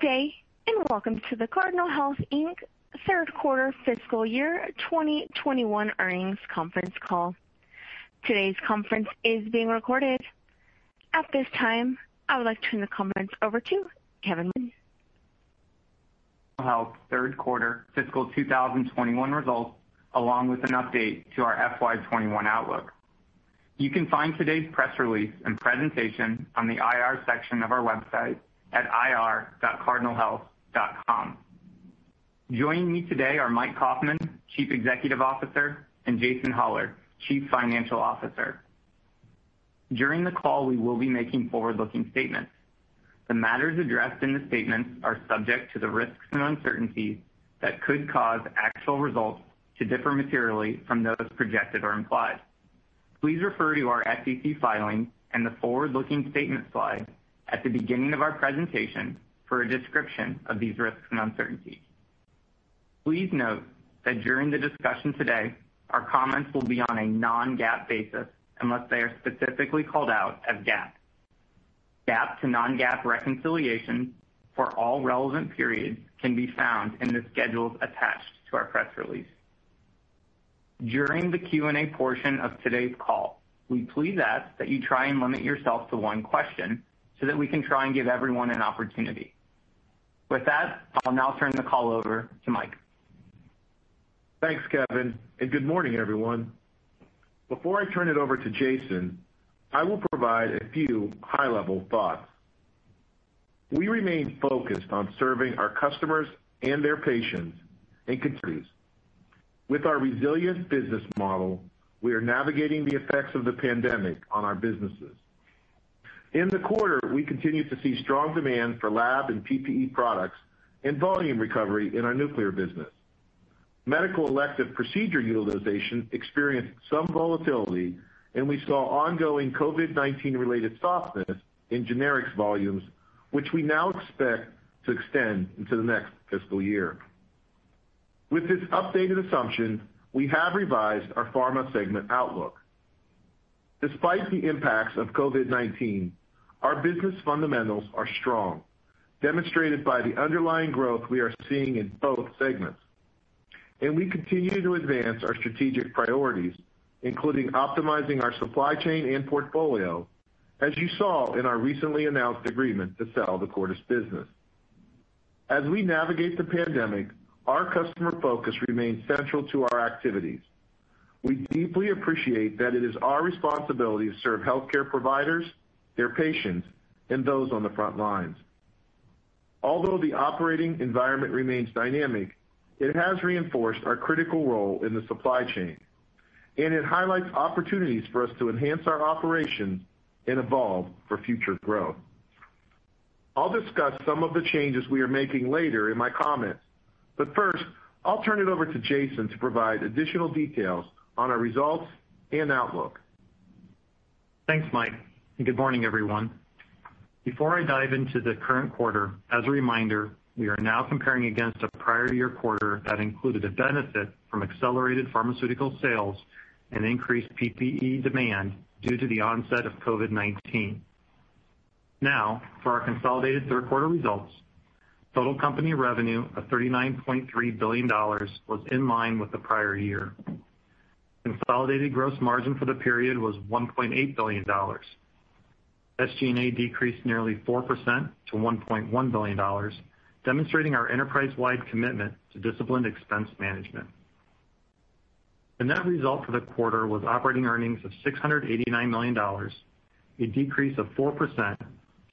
Good day, and welcome to the Cardinal Health, Inc. third quarter fiscal year 2021 earnings conference call. Today's conference is being recorded. At this time, I would like to turn the conference over to Kevin Moran. Health third quarter fiscal 2021 results, along with an update to our FY 2021 outlook. You can find today's press release and presentation on the IR section of our website at ir.cardinalhealth.com. Joining me today are Mike Kaufmann, Chief Executive Officer, and Jason Hollar, Chief Financial Officer. During the call, we will be making forward-looking statements. The matters addressed in the statements are subject to the risks and uncertainties that could cause actual results to differ materially from those projected or implied. Please refer to our SEC filings and the forward-looking statement slide at the beginning of our presentation for a description of these risks and uncertainties. Please note that during the discussion today, our comments will be on a non-GAAP basis unless they are specifically called out as GAAP. GAAP to non-GAAP reconciliation for all relevant periods can be found in the schedules attached to our press release. During the Q&A portion of today's call, we please ask that you try and limit yourself to one question so that we can try and give everyone an opportunity. With that, I'll now turn the call over to Mike. Thanks, Kevin, and good morning, everyone. Before I turn it over to Jason, I will provide a few high-level thoughts. We remain focused on serving our customers and their patients and communities. With our resilient business model, we are navigating the effects of the pandemic on our businesses. In the quarter, we continued to see strong demand for lab and PPE products and volume recovery in our nuclear business. Medical elective procedure utilization experienced some volatility, and we saw ongoing COVID-19 related softness in generics volumes, which we now expect to extend into the next fiscal year. With this updated assumption, we have revised our pharma segment outlook. Despite the impacts of COVID-19, our business fundamentals are strong, demonstrated by the underlying growth we are seeing in both segments. We continue to advance our strategic priorities, including optimizing our supply chain and portfolio, as you saw in our recently announced agreement to sell the Cordis business. As we navigate the pandemic, our customer focus remains central to our activities. We deeply appreciate that it is our responsibility to serve healthcare providers, their patients, and those on the front lines. Although the operating environment remains dynamic, it has reinforced our critical role in the supply chain, and it highlights opportunities for us to enhance our operations and evolve for future growth. I'll discuss some of the changes we are making later in my comments, but first, I'll turn it over to Jason to provide additional details on our results and outlook. Thanks, Mike. Good morning, everyone. Before I dive into the current quarter, as a reminder, we are now comparing against a prior year quarter that included a benefit from accelerated pharmaceutical sales and increased PPE demand due to the onset of COVID-19. Now, for our consolidated third quarter results, total company revenue of $39.3 billion was in line with the prior year. Consolidated gross margin for the period was $1.8 billion. SG&A decreased nearly 4% to $1.1 billion, demonstrating our enterprise-wide commitment to disciplined expense management. The net result for the quarter was operating earnings of $689 million, a decrease of 4%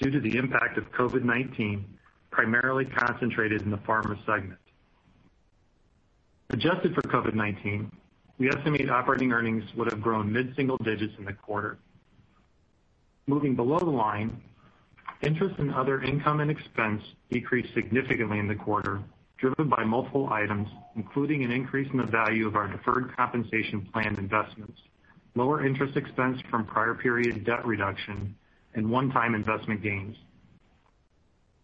due to the impact of COVID-19, primarily concentrated in the pharma segment. Adjusted for COVID-19, we estimate operating earnings would have grown mid-single digits in the quarter. Moving below the line, interest and other income and expense decreased significantly in the quarter, driven by multiple items, including an increase in the value of our deferred compensation plan investments, lower interest expense from prior period debt reduction, and one-time investment gains.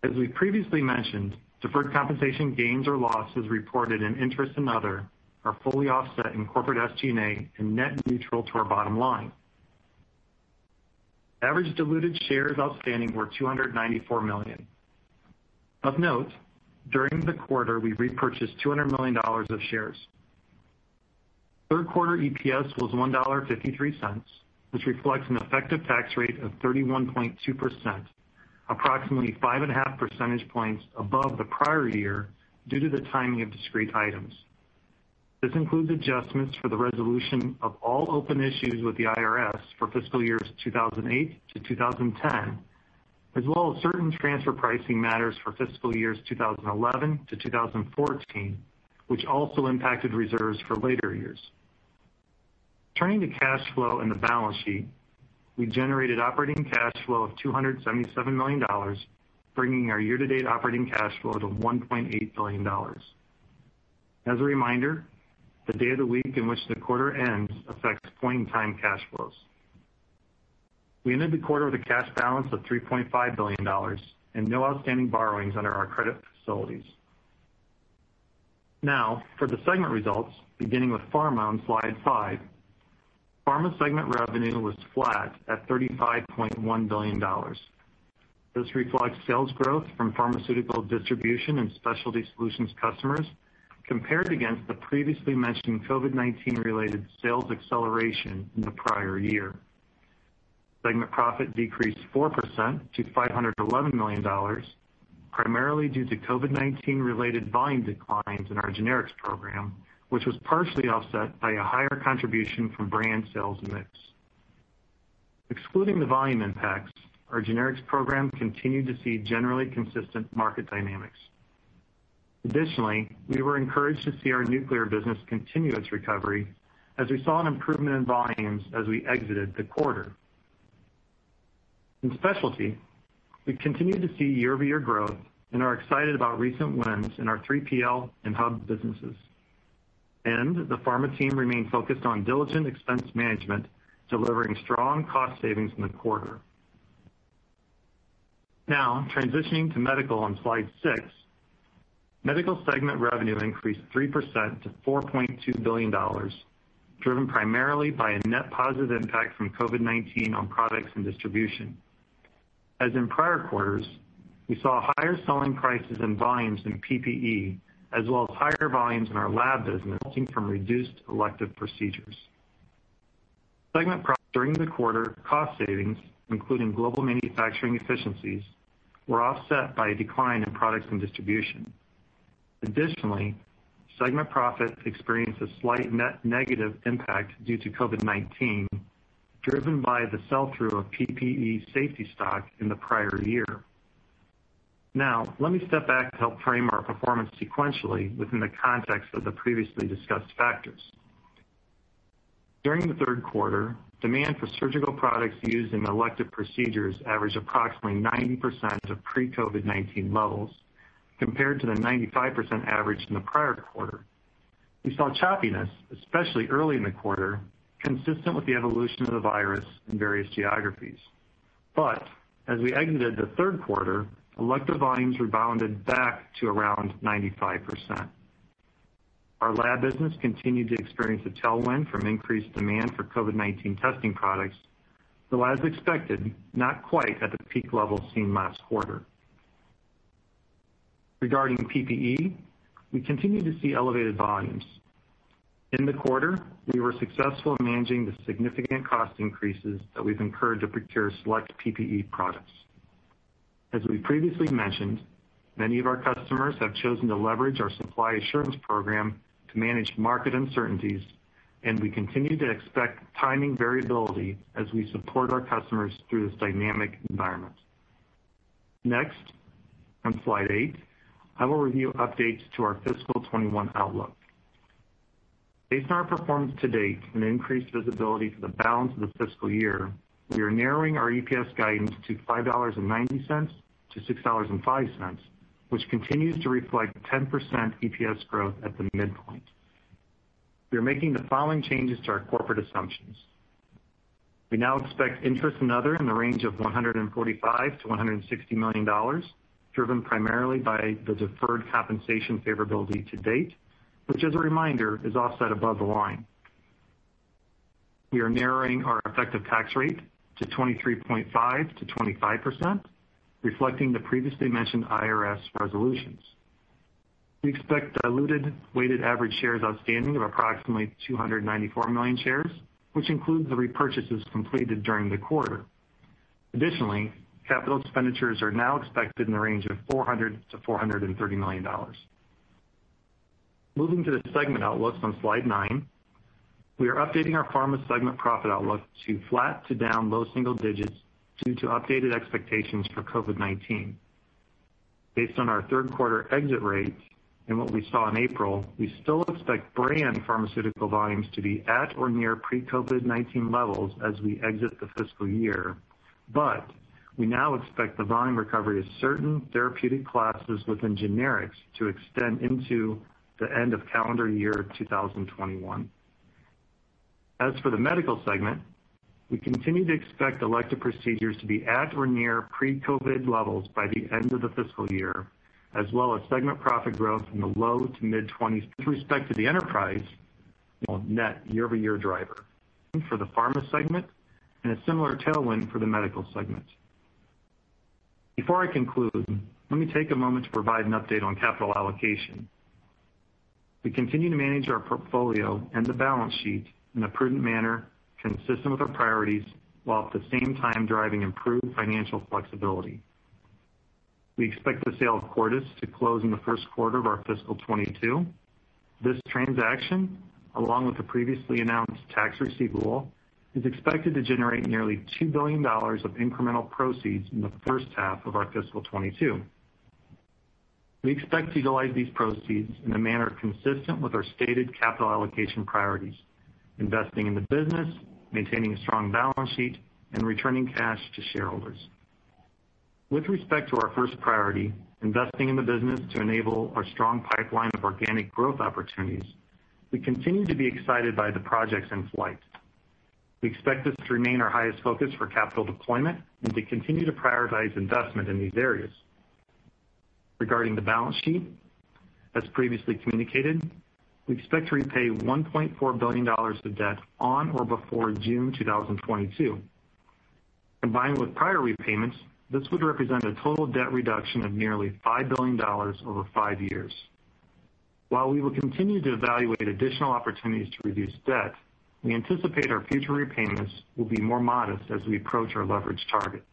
As we previously mentioned, deferred compensation gains or losses reported in interest and other are fully offset in corporate SG&A and net neutral to our bottom line. Average diluted shares outstanding were 294 million. Of note, during the quarter, we repurchased $200 million of shares. Third quarter EPS was $1.53, which reflects an effective tax rate of 31.2%, approximately five and a half percentage points above the prior year due to the timing of discrete items. This includes adjustments for the resolution of all open issues with the IRS for fiscal years 2008 to 2010, as well as certain transfer pricing matters for fiscal years 2011 to 2014, which also impacted reserves for later years. Turning to cash flow and the balance sheet, we generated operating cash flow of $277 million, bringing our year-to-date operating cash flow to $1.8 billion. As a reminder, the day of the week in which the quarter ends affects point-in-time cash flows. We ended the quarter with a cash balance of $3.5 billion and no outstanding borrowings under our credit facilities. Now, for the segment results, beginning with Pharma on slide five. Pharma segment revenue was flat at $35.1 billion. This reflects sales growth from pharmaceutical distribution and specialty solutions customers, compared against the previously mentioned COVID-19 related sales acceleration in the prior year. Segment profit decreased 4% to $511 million, primarily due to COVID-19 related volume declines in our generics program, which was partially offset by a higher contribution from brand sales mix. Excluding the volume impacts, our generics program continued to see generally consistent market dynamics. Additionally, we were encouraged to see our nuclear business continue its recovery, as we saw an improvement in volumes as we exited the quarter. In specialty, we continue to see year-over-year growth and are excited about recent wins in our 3PL and hub businesses. The pharma team remained focused on diligent expense management, delivering strong cost savings in the quarter. Now, transitioning to medical on slide six. Medical Segment revenue increased 3% to $4.2 billion, driven primarily by a net positive impact from COVID-19 on products and distribution. As in prior quarters, we saw higher selling prices and volumes in PPE, as well as higher volumes in our lab business resulting from reduced elective procedures. During the quarter, cost savings, including global manufacturing efficiencies, were offset by a decline in products and distribution. Additionally, segment profit experienced a slight net negative impact due to COVID-19, driven by the sell-through of PPE safety stock in the prior year. Let me step back to help frame our performance sequentially within the context of the previously discussed factors. During the third quarter, demand for surgical products used in elective procedures averaged approximately 90% of pre-COVID-19 levels, compared to the 95% average in the prior quarter. We saw choppiness, especially early in the quarter, consistent with the evolution of the virus in various geographies. As we exited the third quarter, elective volumes rebounded back to around 95%. Our lab business continued to experience a tailwind from increased demand for COVID-19 testing products, though as expected, not quite at the peak levels seen last quarter. Regarding PPE, we continue to see elevated volumes. In the quarter, we were successful in managing the significant cost increases that we've incurred to procure select PPE products. As we previously mentioned, many of our customers have chosen to leverage our supply assurance program to manage market uncertainties, and we continue to expect timing variability as we support our customers through this dynamic environment. Next, on slide eight, I will review updates to our FY 2021 outlook. Based on our performance to date and increased visibility for the balance of the fiscal year, we are narrowing our EPS guidance to $5.90-$6.05, which continues to reflect 10% EPS growth at the midpoint. We are making the following changes to our corporate assumptions. We now expect interest and other in the range of $145 million-$160 million, driven primarily by the deferred compensation favorability to date, which, as a reminder, is offset above the line. We are narrowing our effective tax rate to 23.5%-25%, reflecting the previously mentioned IRS resolutions. We expect diluted weighted average shares outstanding of approximately 294 million shares, which includes the repurchases completed during the quarter. Additionally, capital expenditures are now expected in the range of $400 million-$430 million. Moving to the segment outlook on slide nine, we are updating our pharma segment profit outlook to flat to down low single digits due to updated expectations for COVID-19. Based on our third quarter exit rates and what we saw in April, we still expect brand pharmaceutical volumes to be at or near pre-COVID-19 levels as we exit the fiscal year. We now expect the volume recovery of certain therapeutic classes within generics to extend into the end of calendar year 2021. As for the medical segment, we continue to expect elective procedures to be at or near pre-COVID levels by the end of the fiscal year, as well as segment profit growth from the low 20s%-mid 20s%. With respect to the enterprise, net year-over-year driver. For the pharma segment, a similar tailwind for the medical segment. Before I conclude, let me take a moment to provide an update on capital allocation. We continue to manage our portfolio and the balance sheet in a prudent manner consistent with our priorities, while at the same time driving improved financial flexibility. We expect the sale of Cordis to close in the first quarter of our fiscal 2022. This transaction, along with the previously announced tax receivable, is expected to generate nearly $2 billion of incremental proceeds in the first half of our fiscal 2022. We expect to utilize these proceeds in a manner consistent with our stated capital allocation priorities, investing in the business, maintaining a strong balance sheet, and returning cash to shareholders. With respect to our first priority, investing in the business to enable our strong pipeline of organic growth opportunities, we continue to be excited by the projects in flight. We expect this to remain our highest focus for capital deployment and to continue to prioritize investment in these areas. Regarding the balance sheet, as previously communicated, we expect to repay $1.4 billion of debt on or before June 2022. Combined with prior repayments, this would represent a total debt reduction of nearly $5 billion over five years. While we will continue to evaluate additional opportunities to reduce debt, we anticipate our future repayments will be more modest as we approach our leverage target.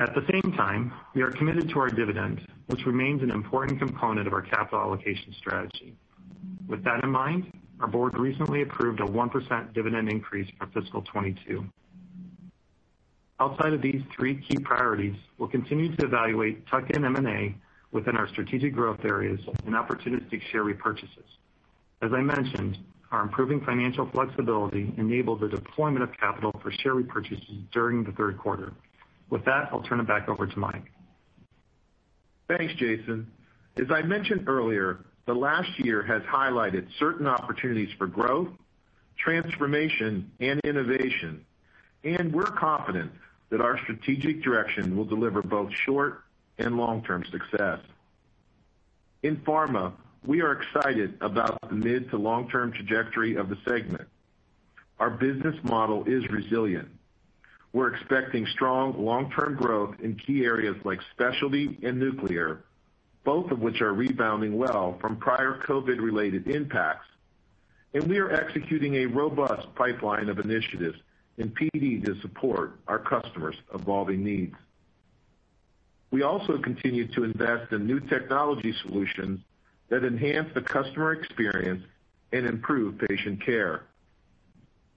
At the same time, we are committed to our dividend, which remains an important component of our capital allocation strategy. With that in mind, our board recently approved a 1% dividend increase for fiscal 2022. Outside of these three key priorities, we'll continue to evaluate tuck-in M&A within our strategic growth areas and opportunistic share repurchases. As I mentioned, our improving financial flexibility enabled the deployment of capital for share repurchases during the third quarter. With that, I'll turn it back over to Mike. Thanks, Jason. As I mentioned earlier, the last year has highlighted certain opportunities for growth, transformation, and innovation. We're confident that our strategic direction will deliver both short- and long-term success. In pharma, we are excited about the mid- to long-term trajectory of the segment. Our business model is resilient. We're expecting strong long-term growth in key areas like specialty and nuclear, both of which are rebounding well from prior COVID-related impacts. We are executing a robust pipeline of initiatives in PD to support our customers' evolving needs. We also continue to invest in new technology solutions that enhance the customer experience and improve patient care.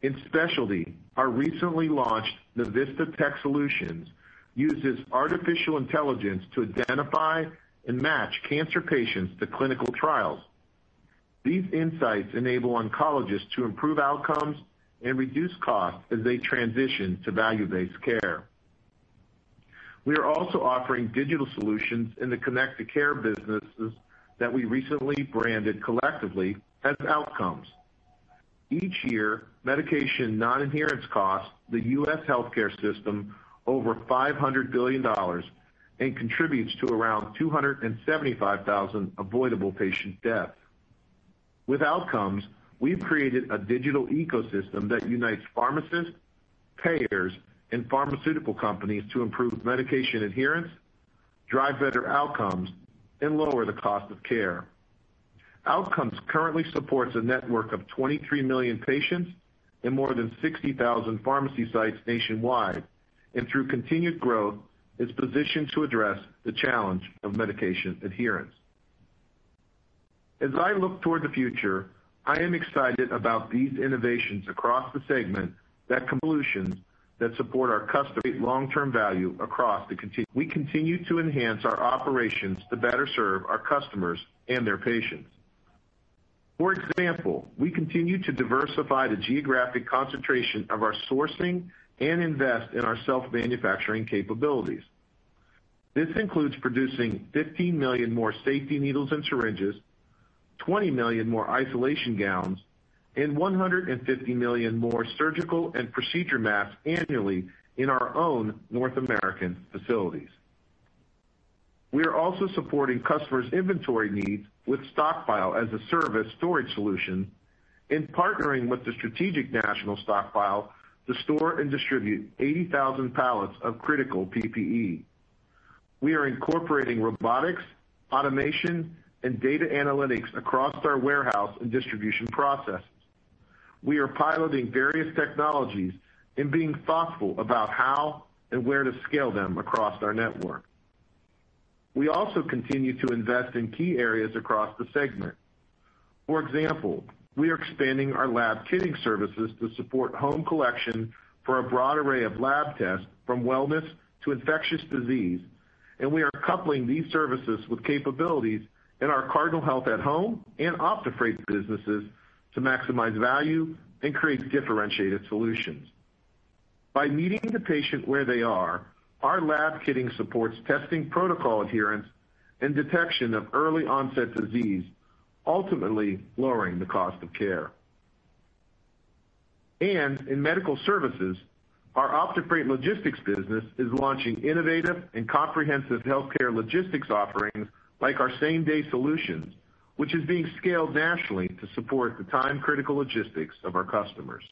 In specialty, our recently launched Navista Tech Solutions uses artificial intelligence to identify and match cancer patients to clinical trials. These insights enable oncologists to improve Outcomes and reduce costs as they transition to value-based care. We are also offering digital solutions in the connected care businesses that we recently branded collectively as Outcomes. Each year, medication non-adherence costs the U.S. healthcare system over $500 billion and contributes to around 275,000 avoidable patient deaths. With Outcomes, we've created a digital ecosystem that unites pharmacists, payers, and pharmaceutical companies to improve medication adherence, drive better outcomes, and lower the cost of care. Outcomes currently supports a network of 23 million patients and more than 60,000 pharmacy sites nationwide, and through continued growth, is positioned to address the challenge of medication adherence. As I look toward the future, I am excited about these innovations across the segment that support our customer long-term value across the continu. We continue to enhance our operations to better serve our customers and their patients. For example, we continue to diversify the geographic concentration of our sourcing and invest in our self-manufacturing capabilities. This includes producing 15 million more safety needles and syringes, 20 million more isolation gowns, and 150 million more surgical and procedure masks annually in our own North American facilities. We are also supporting customers' inventory needs with stockpile as a service storage solution and partnering with the Strategic National Stockpile to store and distribute 80,000 pallets of critical PPE. We are incorporating robotics, automation, and data analytics across our warehouse and distribution processes. We are piloting various technologies and being thoughtful about how and where to scale them across our network. We also continue to invest in key areas across the segment. For example, we are expanding our lab kitting services to support home collection for a broad array of lab tests from wellness to infectious disease. We are coupling these services with capabilities in our Cardinal Health at Home and OptiFreight businesses to maximize value and create differentiated solutions. By meeting the patient where they are, our lab kitting supports testing protocol adherence and detection of early onset disease, ultimately lowering the cost of care. In medical services, our OptiFreight Logistics business is launching innovative and comprehensive healthcare logistics offerings like our same-day solutions, which is being scaled nationally to support the time-critical logistics of our customers.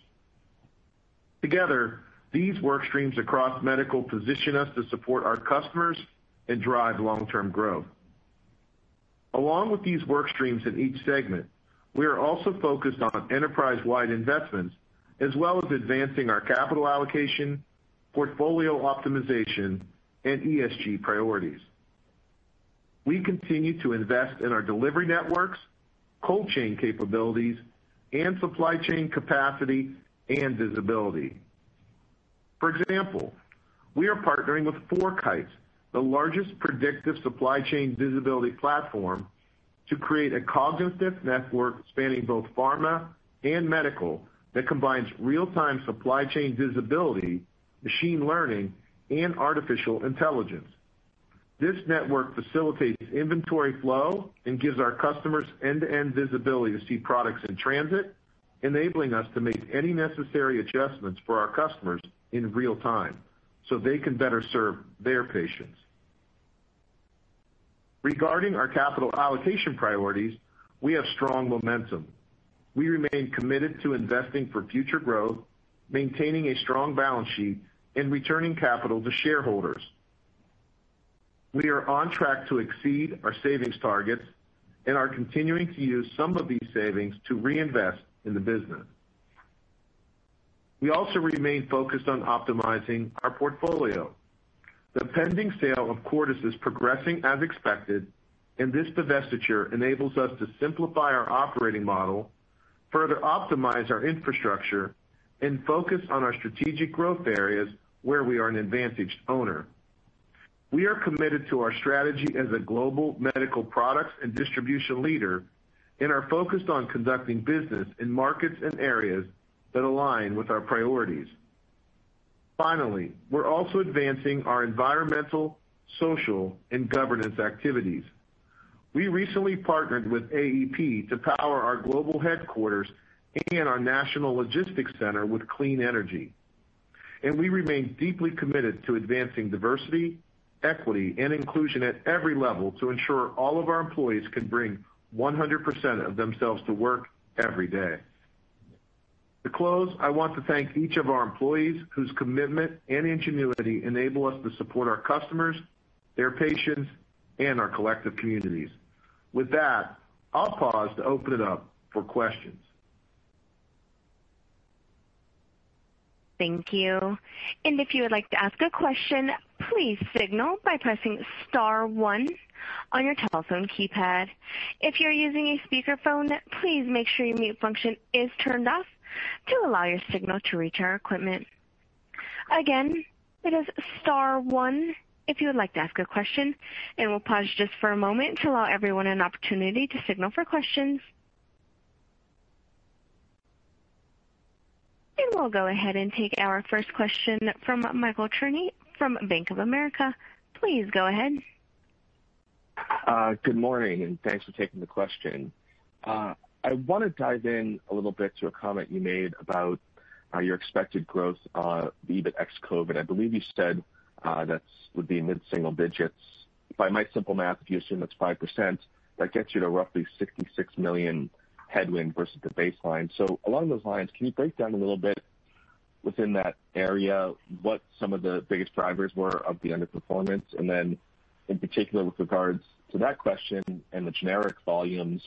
Together, these work streams across medical position us to support our customers and drive long-term growth. Along with these work streams in each segment, we are also focused on enterprise-wide investments as well as advancing our capital allocation, portfolio optimization, and ESG priorities. We continue to invest in our delivery networks, cold chain capabilities, and supply chain capacity and visibility. For example, we are partnering with FourKites, the largest predictive supply chain visibility platform, to create a cognitive network spanning both pharma and medical that combines real-time supply chain visibility, machine learning, and artificial intelligence. This network facilitates inventory flow and gives our customers end-to-end visibility to see products in transit, enabling us to make any necessary adjustments for our customers in real time so they can better serve their patients. Regarding our capital allocation priorities, we have strong momentum. We remain committed to investing for future growth, maintaining a strong balance sheet and returning capital to shareholders. We are on track to exceed our savings targets and are continuing to use some of these savings to reinvest in the business. We also remain focused on optimizing our portfolio. The pending sale of Cordis is progressing as expected, and this divestiture enables us to simplify our operating model, further optimize our infrastructure, and focus on our strategic growth areas where we are an advantaged owner. We are committed to our strategy as a global medical products and distribution leader and are focused on conducting business in markets and areas that align with our priorities. Finally, we're also advancing our environmental, social, and governance activities. We recently partnered with AEP to power our global headquarters and our national logistics center with clean energy. We remain deeply committed to advancing diversity, equity, and inclusion at every level to ensure all of our employees can bring 100% of themselves to work every day. To close, I want to thank each of our employees whose commitment and ingenuity enable us to support our customers, their patients, and our collective communities. With that, I'll pause to open it up for questions. If you would like to ask a question, please signal by pressing star one on your telephone keypad. If you're using a speakerphone, please make sure your mute function is turned off to allow your signal to reach our equipment. Again, it is star one if you would like to ask a question, and we'll pause just for a moment to allow everyone an opportunity to signal for questions. We'll go ahead and take our first question from Michael Cherny from Bank of America. Please go ahead. Good morning. Thanks for taking the question. I want to dive in a little bit to a comment you made about your expected growth, the EBITDA ex-COVID. I believe you said that would be mid-single digits. By my simple math, if you assume that's 5%, that gets you to roughly $66 million headwind versus the baseline. Along those lines, can you break down a little bit within that area what some of the biggest drivers were of the underperformance? In particular with regards to that question and the generic volumes,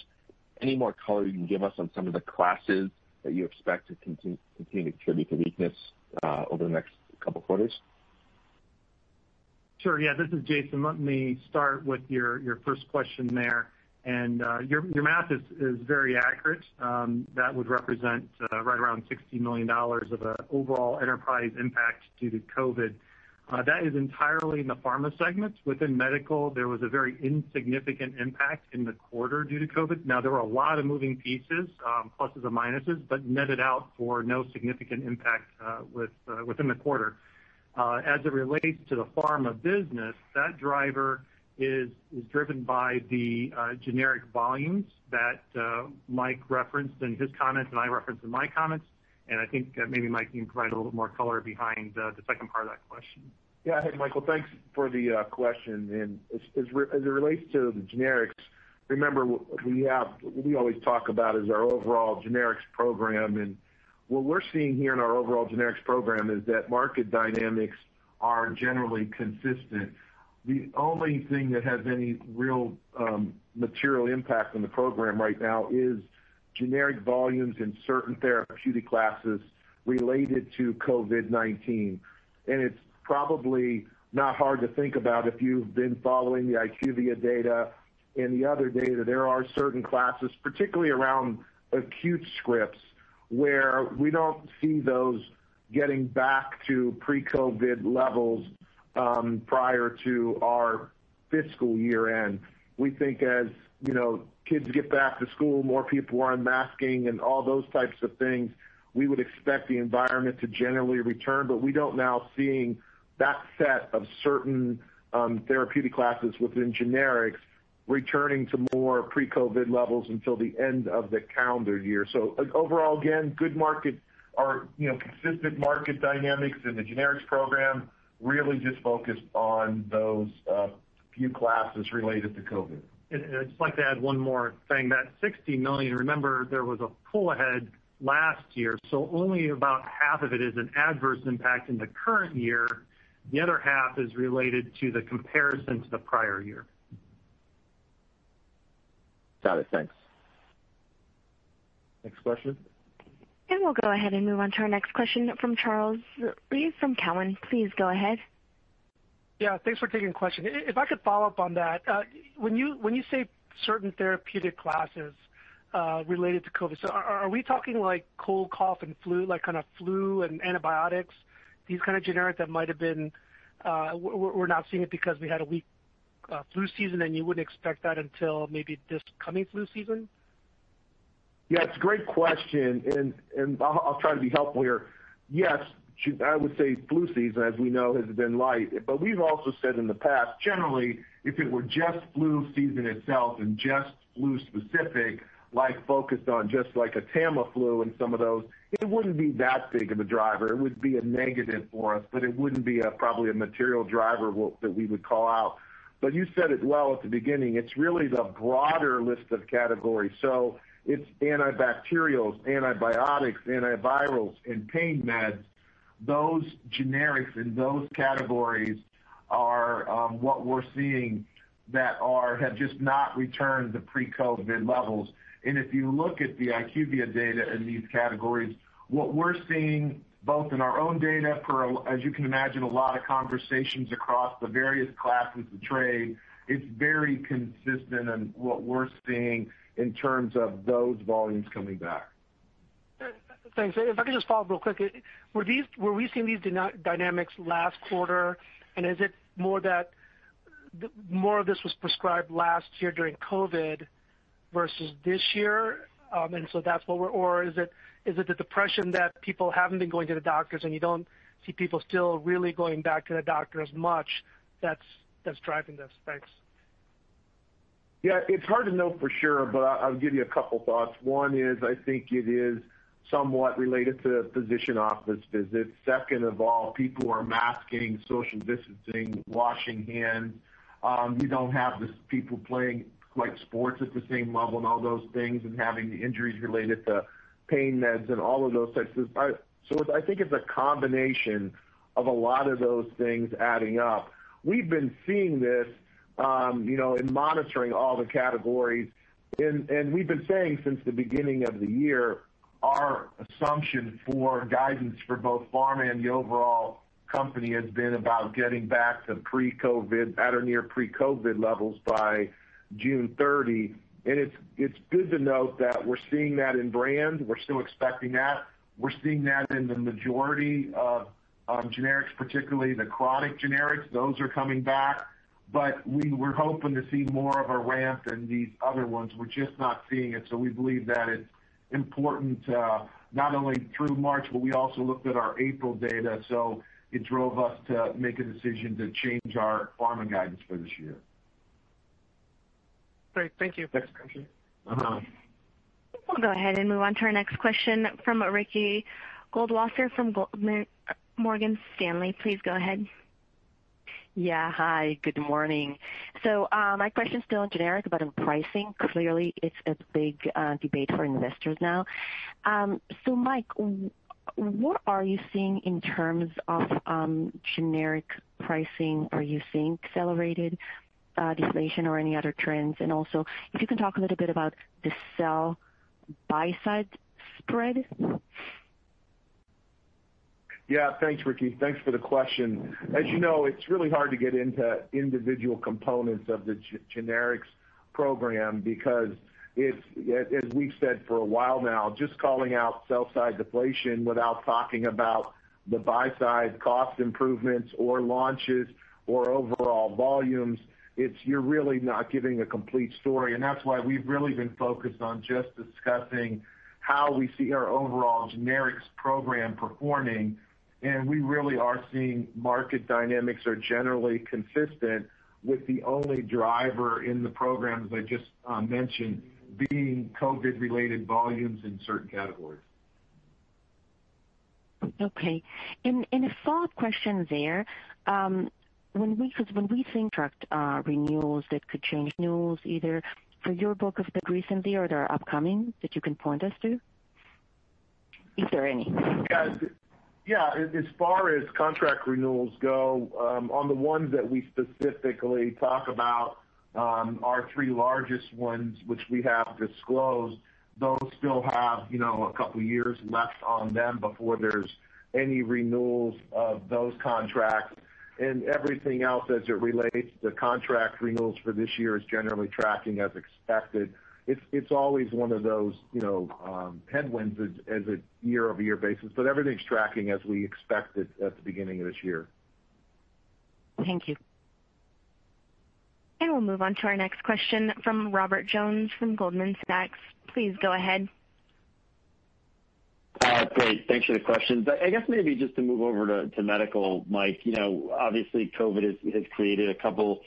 any more color you can give us on some of the classes that you expect to continue to contribute to weakness over the next couple of quarters? Sure. Yeah, this is Jason. Let me start with your first question there. Your math is very accurate. That would represent right around $60 million of overall enterprise impact due to COVID. That is entirely in the Pharma segments. Within Medical, there was a very insignificant impact in the quarter due to COVID. Now, there were a lot of moving pieces, pluses or minuses, but netted out for no significant impact within the quarter. As it relates to the Pharma business, that driver is driven by the generic volumes that Mike referenced in his comments, and I referenced in my comments, and I think maybe Mike can provide a little more color behind the second part of that question. Yeah. Hey, Michael. Thanks for the question. As it relates to the generics, remember, what we always talk about is our overall generics program. What we're seeing here in our overall generics program is that market dynamics are generally consistent. The only thing that has any real material impact on the program right now is generic volumes in certain therapeutic classes related to COVID-19. It's probably not hard to think about if you've been following the IQVIA data and the other data. There are certain classes, particularly around acute scripts, where we don't see those getting back to pre-COVID levels prior to our fiscal year-end. We think as kids get back to school, more people are unmasking and all those types of things, we would expect the environment to generally return. We don't now seeing that set of certain therapeutic classes within generics returning to more pre-COVID levels until the end of the calendar year. Overall, again, good market or consistent market dynamics in the generics program really just focused on those few classes related to COVID. I'd just like to add one more thing. That $60 million, remember, there was a pull ahead last year, so only about half of it is an adverse impact in the current year. The other half is related to the comparison to the prior year. Got it. Thanks. Next question. We'll go ahead and move on to our next question from Charles Rhyee from Cowen. Please go ahead. Yeah, thanks for taking the question. If I could follow up on that. When you say certain therapeutic classes related to COVID, are we talking like cold, cough, and flu, like kind of flu and antibiotics, these kind of generic We're not seeing it because we had a weak flu season, and you wouldn't expect that until maybe this coming flu season? Yeah, it's a great question, and I'll try to be helpful here. Yes, I would say flu season, as we know, has been light. We've also said in the past, generally, if it were just flu season itself and just flu specific, focused on just like a Tamiflu and some of those, it wouldn't be that big of a driver. It would be a negative for us, but it wouldn't be probably a material driver that we would call out. You said it well at the beginning. It's really the broader list of categories. It's antibacterials, antibiotics, antivirals, and pain meds. Those generics in those categories are what we're seeing that have just not returned to pre-COVID levels. If you look at the IQVIA data in these categories, what we're seeing both in our own data for, as you can imagine, a lot of conversations across the various classes of trade, it's very consistent in what we're seeing in terms of those volumes coming back. Thanks. If I can just follow up real quick. Were we seeing these dynamics last quarter, is it more of this was prescribed last year during COVID versus this year? Is it the depression that people haven't been going to the doctors, and you don't see people still really going back to the doctor as much that's driving this? Thanks. Yeah, it's hard to know for sure, but I'll give you a couple thoughts. One is, I think it is somewhat related to the physician office visits. Second of all, people are masking, social distancing, washing hands. We don't have people playing sports at the same level and all those things, and having injuries related to pain meds. I think it's a combination of a lot of those things adding up. We've been seeing this in monitoring all the categories, and we've been saying since the beginning of the year, our assumption for guidance for both pharma and the overall company has been about getting back to pre-COVID, at or near pre-COVID levels by June 30. It's good to note that we're seeing that in brands. We're still expecting that. We're seeing that in the majority of generics, particularly the chronic generics. Those are coming back. We were hoping to see more of a ramp in these other ones. We're just not seeing it. We believe that it's important to, not only through March, but we also looked at our April data. It drove us to make a decision to change our Pharma guidance for this year. Great. Thank you. We'll go ahead and move on to our next question from Ricky Goldwasser from Morgan Stanley. Please go ahead. Yeah. Hi, good morning. My question is still on generics, but on pricing. Clearly, it's a big debate for investors now. Mike, what are you seeing in terms of generic pricing? Are you seeing accelerated deflation or any other trends? Also, if you could talk a little bit about the sell buy-side spread? Yeah, thanks, Ricky. Thanks for the question. As you know, it's really hard to get into individual components of the generics program because, as we've said for a while now, just calling out sell-side deflation without talking about the buy-side cost improvements or launches or overall volumes, you're really not giving a complete story. That's why we've really been focused on just discussing how we see our overall generics program performing. We really are seeing market dynamics are generally consistent with the only driver in the programs I just mentioned being COVID-related volumes in certain categories. Okay. A follow-up question there. When we think about renewals that could change news either for your book of business recently or that are upcoming that you can point us to? Is there any? Yeah. As far as contract renewals go, on the ones that we specifically talk about, our three largest ones, which we have disclosed, those still have a couple years left on them before there's any renewals of those contracts. Everything else as it relates to contract renewals for this year is generally tracking as expected. It's always one of those headwinds as a year-over-year basis, but everything's tracking as we expected at the beginning of this year. Thank you. We'll move on to our next question from Robert Jones from Goldman Sachs. Please go ahead. Great. Thanks for the question. Maybe just to move over to medical, Mike. Obviously, COVID has created a couple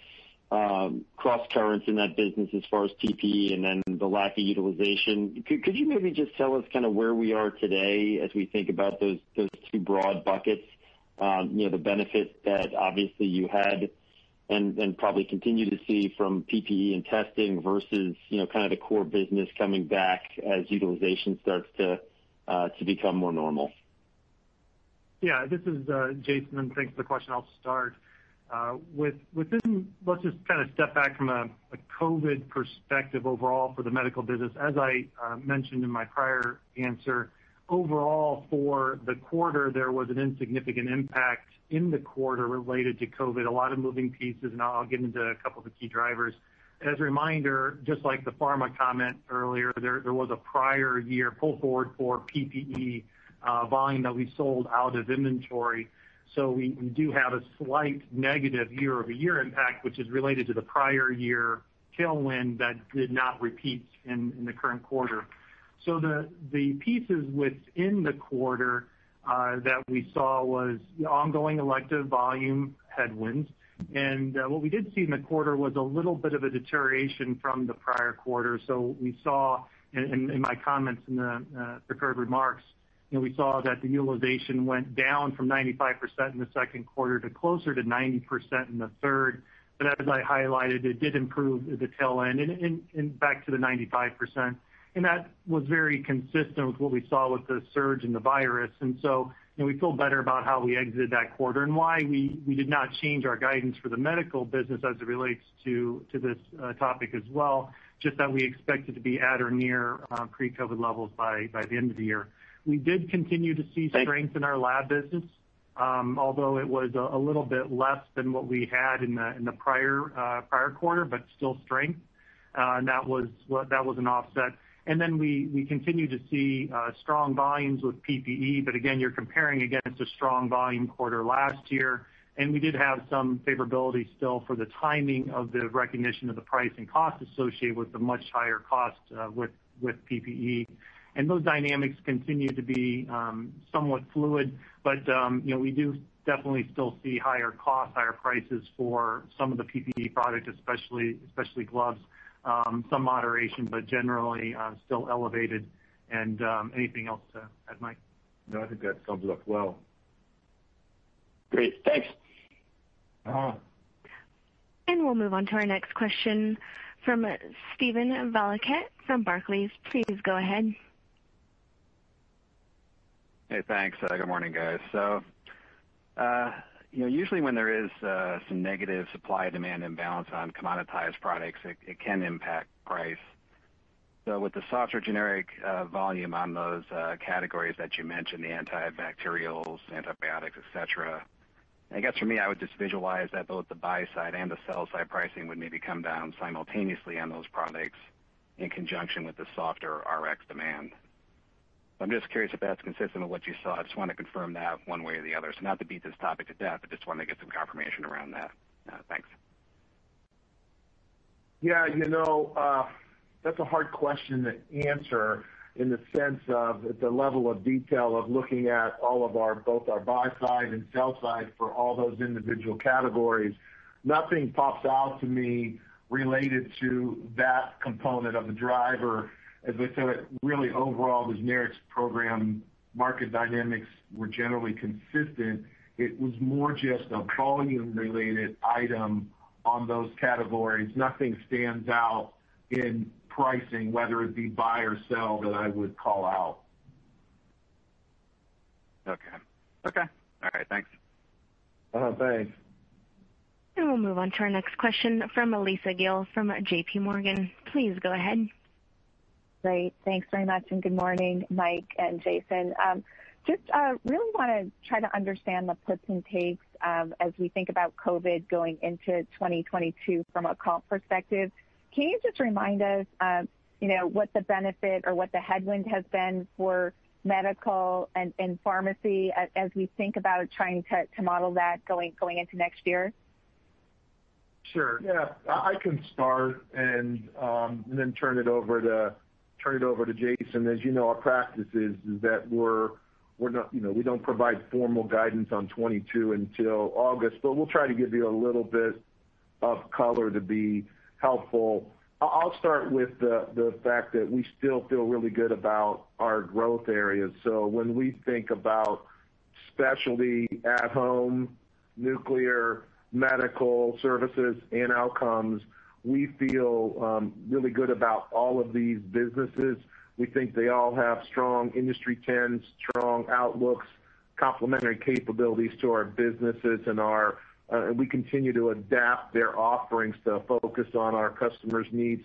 cross currents in that business as far as PPE and then the lack of utilization. Could you maybe just tell us where we are today as we think about those two broad buckets? The benefits that obviously you had and probably continue to see from PPE and testing versus the core business coming back as utilization starts to become more normal. Yeah, this is Jason, and thanks for the question. I'll start. Let's just step back from a COVID perspective overall for the medical business. As I mentioned in my prior answer, overall for the quarter, there was an insignificant impact in the quarter related to COVID. A lot of moving pieces, and I'll get into a couple of key drivers. As a reminder, just like the pharma comment earlier, there was a prior year pull forward for PPE volume that we sold out of inventory. We do have a slight negative year-over-year impact, which is related to the prior year tailwind that did not repeat in the current quarter. The pieces within the quarter that we saw was the ongoing elective volume headwinds. What we did see in the quarter was a little bit of a deterioration from the prior quarter. What we saw in my comments in the prepared remarks, we saw that the utilization went down from 95% in the second quarter to closer to 90% in the third. As I highlighted, it did improve at the tail end and back to the 95%. That was very consistent with what we saw with the surge in the virus. We feel better about how we exited that quarter and why we did not change our guidance for the medical business as it relates to this topic as well, just that we expect it to be at or near pre-COVID levels by the end of the year. We did continue to see strength in our lab business, although it was a little bit less than what we had in the prior quarter, but still strength. That was an offset. We continue to see strong volumes with PPE, but again, you're comparing against a strong volume quarter last year, and we did have some favorability still for the timing of the recognition of the price and cost associated with the much higher cost with PPE. Those dynamics continue to be somewhat fluid, but we do definitely still see higher costs, higher prices for some of the PPE products, especially gloves. Some moderation, but generally, still elevated. Anything else to add, Mike? That sums up well. Great. Thanks. We'll move on to our next question from Steven Valiquette from Barclays. Please go ahead. Hey, thanks. Good morning, guys. Usually when there is some negative supply-demand imbalance on commoditized products, it can impact price. With the softer generic volume on those categories that you mentioned, the antibacterials, antibiotics, et cetera, for me, I would just visualize that both the buy side and the sell side pricing would maybe come down simultaneously on those products in conjunction with the softer Rx demand. I'm just curious if that's consistent with what you saw. I just want to confirm that one way or the other. Not to beat this topic to death, but just wanted to get some confirmation around that. Thanks. Yeah. That's a hard question to answer in the sense of the level of detail of looking at all of both our buy side and sell side for all those individual categories. Nothing pops out to me related to that component of the driver. As I said, really overall, this generics program market dynamics were generally consistent. It was more just a volume-related item on those categories. Nothing stands out in pricing, whether it be buy or sell, that I would call out. Okay. All right. Thanks. Thanks. We'll move on to our next question from Lisa Gill from JPMorgan. Please go ahead. Great. Thanks very much, and good morning, Mike and Jason. Just really want to try to understand the puts and takes as we think about COVID going into 2022 from a call perspective. Can you just remind us what the benefit or what the headwind has been for medical and pharmacy as we think about trying to model that going into next year? Sure. Yeah. I can start and then turn it over to Jason. As you know, our practice is that we don't provide formal guidance on 2022 until August, but we'll try to give you a little bit of color to be helpful. I'll start with the fact that we still feel really good about our growth areas. When we think about specialty, At-Home, nuclear, medical services, and Outcomes, we feel really good about all of these businesses. We think they all have strong industry trends, strong outlooks, complementary capabilities to our businesses, and we continue to adapt their offerings to focus on our customers' needs.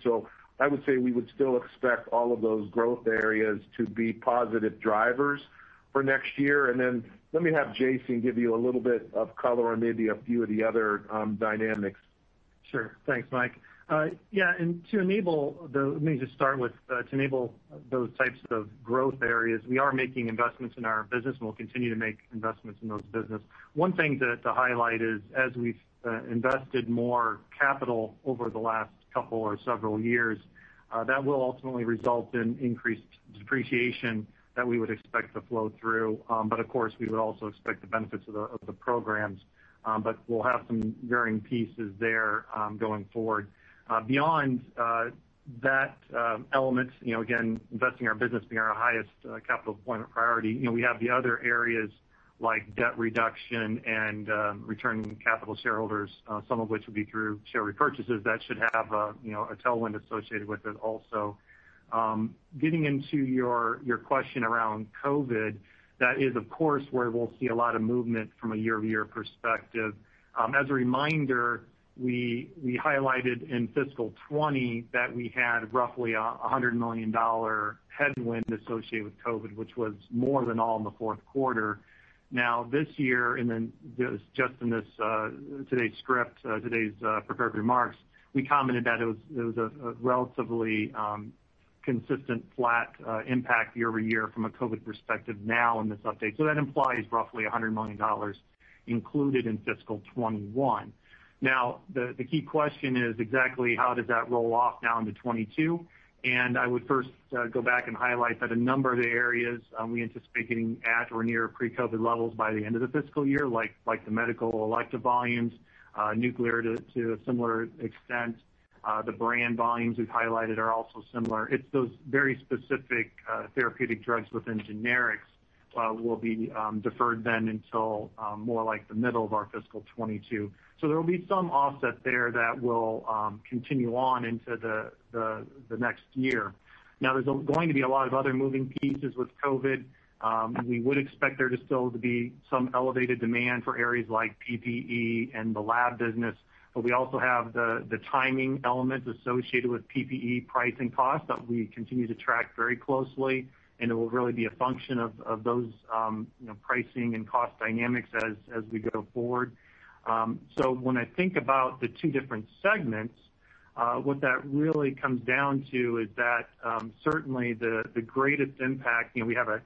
I would say we would still expect all of those growth areas to be positive drivers for next year. Let me have Jason give you a little bit of color on maybe a few of the other dynamics. Sure. Thanks, Mike. Yeah. Let me just start with, to enable those types of growth areas, we are making investments in our business, and we'll continue to make investments in those business. One thing to highlight is, as we've invested more capital over the last couple or several years, that will ultimately result in increased depreciation that we would expect to flow through. Of course, we would also expect the benefits of the programs. We'll have some varying pieces there going forward. Beyond that element, again, investing in our business being our highest capital deployment priority, we have the other areas like debt reduction and returning capital to shareholders, some of which will be through share repurchases that should have a tailwind associated with it also. Getting into your question around COVID, that is, of course, where we'll see a lot of movement from a year-over-year perspective. As a reminder, we highlighted in fiscal 2020 that we had roughly $100 million headwind associated with COVID, which was more than all in the fourth quarter. This year, and then just in today's script, today's prepared remarks, we commented that it was a relatively consistent flat impact year-over-year from a COVID perspective now in this update, so that implies roughly $100 million included in fiscal 2021. The key question is exactly how does that roll off now into 2022? I would first go back and highlight that a number of the areas we anticipate getting at or near pre-COVID levels by the end of the fiscal year, like the medical elective volumes, nuclear to a similar extent. The brand volumes we've highlighted are also similar. It's those very specific therapeutic drugs within generics will be deferred then until more like the middle of our fiscal 2022. There will be some offset there that will continue on into the next year. There's going to be a lot of other moving pieces with COVID. We would expect there to still be some elevated demand for areas like PPE and the lab business. We also have the timing elements associated with PPE pricing costs that we continue to track very closely, and it will really be a function of those pricing and cost dynamics as we go forward. When I think about the two different segments, what that really comes down to is that certainly the greatest impact, we have a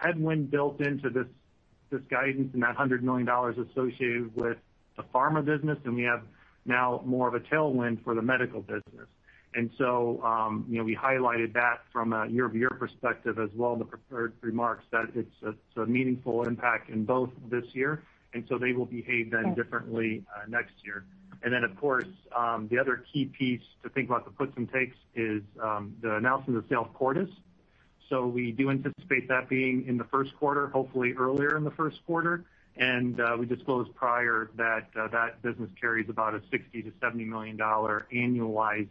headwind built into this guidance and that $100 million associated with the pharma business, and we have now more of a tailwind for the medical business. We highlighted that from a year-over-year perspective as well in the prepared remarks, that it's a meaningful impact in both this year, and so they will behave then differently next year. Then, of course, the other key piece to think about the puts and takes is the announcement of the sale of Cordis. We do anticipate that being in the first quarter, hopefully earlier in the first quarter. We disclosed prior that that business carries about a $60 million-$70 million annualized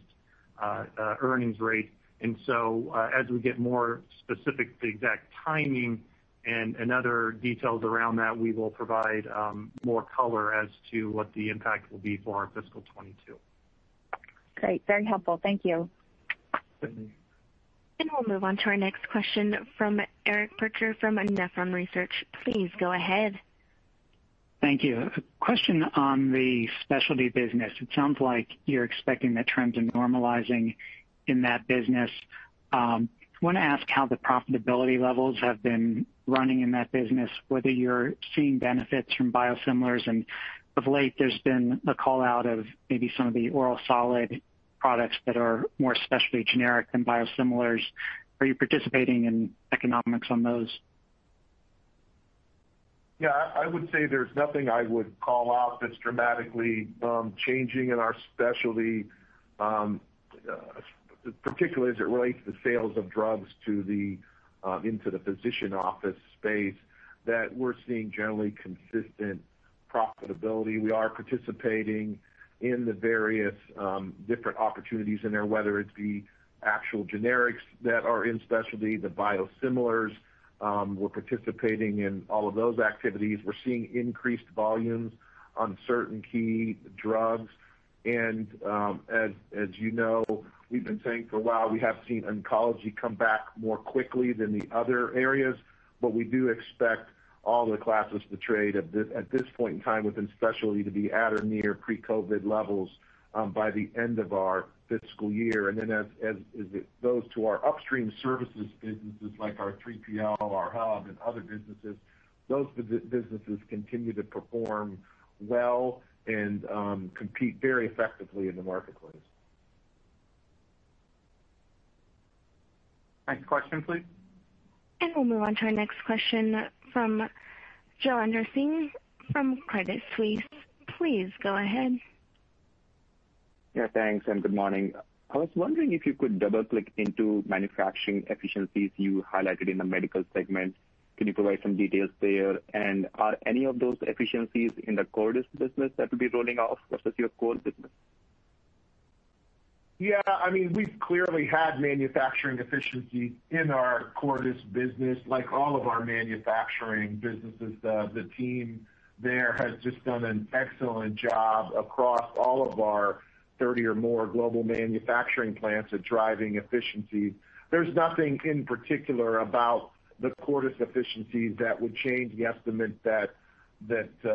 earnings rate. As we get more specific to the exact timing and other details around that, we will provide more color as to what the impact will be for our fiscal 2022. Great. Very helpful. Thank you. Certainly. We'll move on to our next question from Eric Percher from Nephron Research. Please go ahead. Thank you. A question on the specialty business. It sounds like you're expecting the trends are normalizing in that business. I want to ask how the profitability levels have been running in that business, whether you're seeing benefits from biosimilars. Of late, there's been a call out of maybe some of the oral solid products that are more specialty generic than biosimilars. Are you participating in economics on those? Yeah, I would say there's nothing I would call out that's dramatically changing in our specialty, particularly as it relates to the sales of drugs into the physician office space, that we're seeing generally consistent profitability. We are participating in the various different opportunities in there, whether it's the actual generics that are in specialty, the biosimilars. We're participating in all of those activities. We're seeing increased volumes on certain key drugs. As you know, we've been saying for a while, we have seen oncology come back more quickly than the other areas. We do expect all the classes to trade at this point in time within specialty to be at or near pre-COVID levels by the end of our fiscal year. As it goes to our upstream services businesses like our 3PL, our hub, and other businesses, those businesses continue to perform well and compete very effectively in the marketplace. Next question, please. We'll move on to our next question from Jailendra Singh from Credit Suisse. Please go ahead. Yeah, thanks. Good morning. I was wondering if you could double-click into manufacturing efficiencies you highlighted in the medical segment. Can you provide some details there? Are any of those efficiencies in the Cordis business that will be rolling off versus your core business? We've clearly had manufacturing efficiency in our Cordis business. Like all of our manufacturing businesses, the team there has just done an excellent job across all of our 30 or more global manufacturing plants at driving efficiency. There's nothing in particular about the Cordis efficiencies that would change the estimate that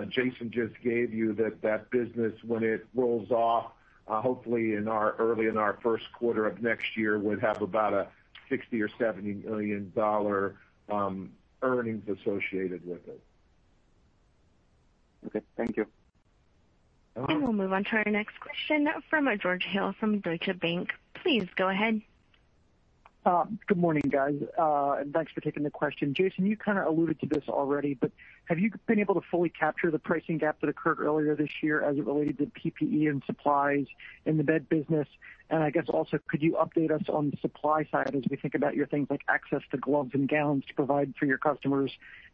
Jason just gave you, that that business, when it rolls off, hopefully early in our first quarter of next year, would have about a $60 million or $70 million earnings associated with it. Okay, thank you. We'll move on to our next question from George Hill from Deutsche Bank. Please go ahead. Good morning, guys. Thanks for taking the question. Jason, you kind of alluded to this already, have you been able to fully capture the pricing gap that occurred earlier this year as it related to PPE and supplies in the med business? Also, could you update us on the supply side as we think about your things like access to gloves and gowns to provide for your customers?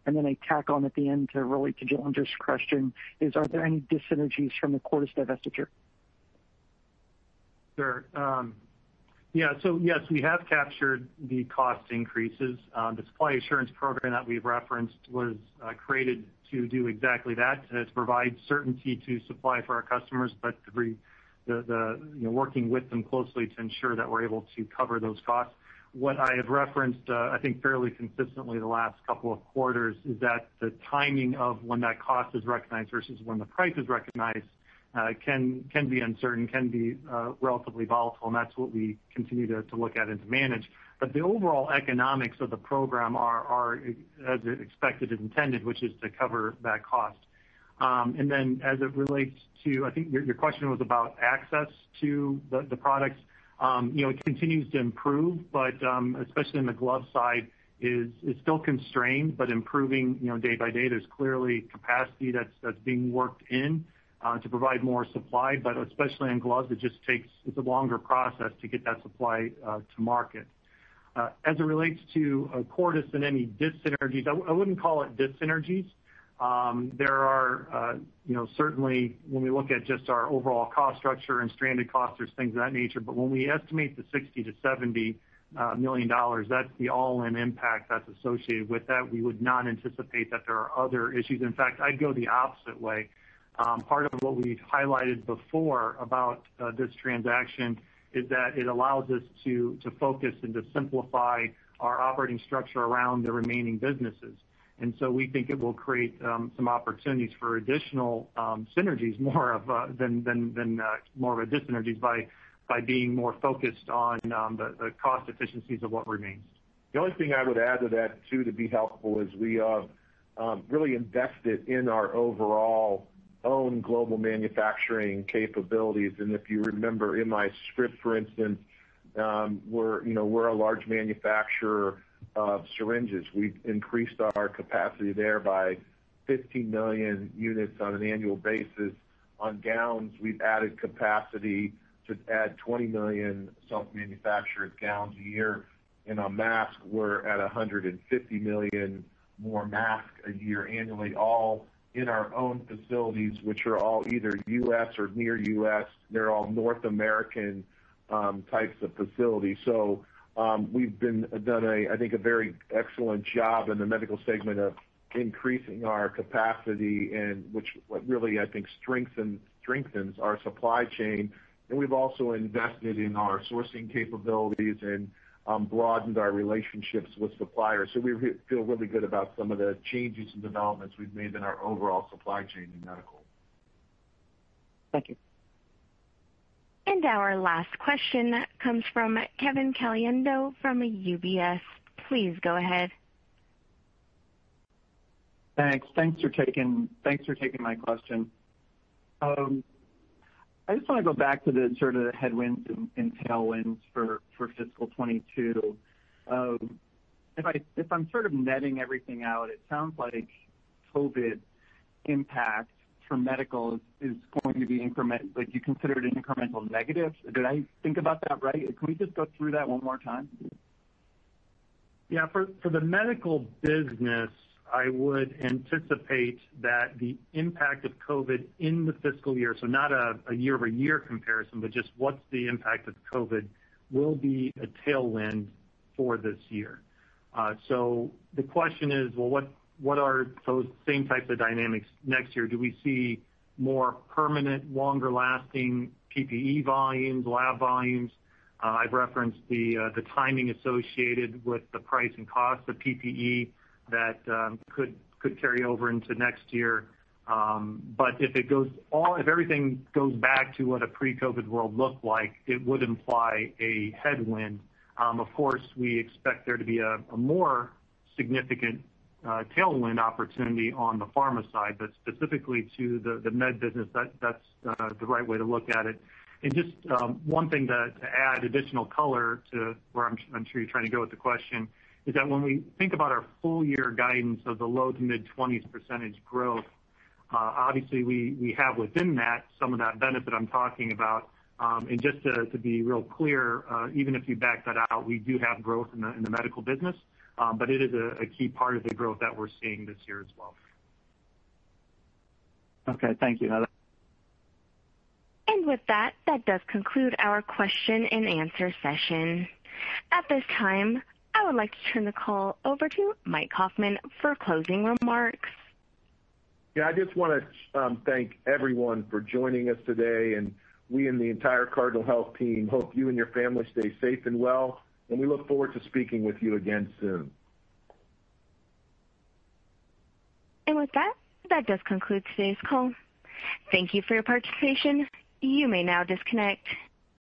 I tack on at the end to relate to Jailendra's question is, are there any dyssynergies from the Cordis divestiture? Sure. Yeah. Yes, we have captured the cost increases. The supply assurance program that we've referenced was created to do exactly that. To provide certainty to supply for our customers, but working with them closely to ensure that we're able to cover those costs. What I have referenced, I think fairly consistently the last couple of quarters, is that the timing of when that cost is recognized versus when the price is recognized can be uncertain, can be relatively volatile, and that's what we continue to look at and to manage. The overall economics of the program are as expected and intended, which is to cover that cost. As it relates to, I think your question was about access to the products. It continues to improve, but especially on the glove side, is still constrained, but improving day by day. There's clearly capacity that's being worked in to provide more supply, but especially on gloves, it's a longer process to get that supply to market. As it relates to Cordis and any dyssynergies, I wouldn't call it dyssynergies. Certainly, when we look at just our overall cost structure and stranded costs, there's things of that nature. When we estimate the $60 million-$70 million, that's the all-in impact that's associated with that. We would not anticipate that there are other issues. In fact, I'd go the opposite way. Part of what we've highlighted before about this transaction is that it allows us to focus and to simplify our operating structure around the remaining businesses. We think it will create some opportunities for additional synergies more than a dyssynergies by being more focused on the cost efficiencies of what remains. The only thing I would add to that, too, to be helpful, is we really invested in our overall own global manufacturing capabilities. If you remember in my script, for instance, we're a large manufacturer of syringes. We've increased our capacity there by 50 million units on an annual basis. On gowns, we've added capacity to add 20 million self-manufactured gowns a year. In our masks, we're at 150 million more masks a year annually, all in our own facilities, which are all either U.S. or near U.S. They're all North American types of facilities. We've done a very excellent job in the medical segment of increasing our capacity and which really strengthens our supply chain. We've also invested in our sourcing capabilities and broadened our relationships with suppliers. We feel really good about some of the changes and developments we've made in our overall supply chain in medical. Thank you. Our last question comes from Kevin Caliendo from UBS. Please go ahead. Thanks for taking my question. I just want to go back to the sort of headwinds and tailwinds for FY 2022. If I'm sort of netting everything out, it sounds like COVID impact for medical is going to be like you consider it an incremental negative. Did I think about that right? Can we just go through that one more time? For the medical business, I would anticipate that the impact of COVID in the fiscal year, so not a year-over-year comparison, but just what's the impact of COVID, will be a tailwind for this year. The question is, well, what are those same types of dynamics next year? Do we see more permanent, longer-lasting PPE volumes, lab volumes? I've referenced the timing associated with the price and cost of PPE that could carry over into next year. If everything goes back to what a pre-COVID world looked like, it would imply a headwind. Of course, we expect there to be a more significant tailwind opportunity on the pharma side, but specifically to the med business, that's the right way to look at it. Just one thing to add additional color to where I'm sure you're trying to go with the question, is that when we think about our full year guidance of the low to mid 20s% growth, obviously we have within that some of that benefit I'm talking about. Just to be real clear, even if you back that out, we do have growth in the medical business, but it is a key part of the growth that we're seeing this year as well. Okay. Thank you. With that does conclude our question and answer session. At this time, I would like to turn the call over to Mike Kaufmann for closing remarks. I just want to thank everyone for joining us today. We and the entire Cardinal Health team hope you and your family stay safe and well. We look forward to speaking with you again soon. With that does conclude today's call. Thank you for your participation. You may now disconnect.